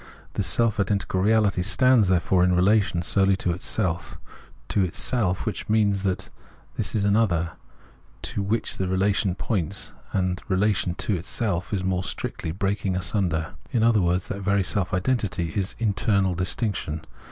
This self identical reahty stands, therefore, in relation solely to itself. To itself ; which means this is an other, to which the relation points ; and relation to itself is, more strictly, breaking asunder ; in other words, that very self identity is internal distinction.